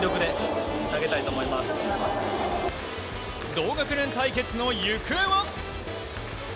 同学年対決の行方は。